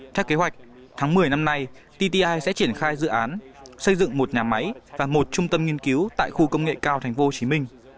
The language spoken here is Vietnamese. theo kế hoạch tháng một mươi năm nay tti sẽ triển khai dự án xây dựng một nhà máy và một trung tâm nghiên cứu tại khu công nghệ cao tp hcm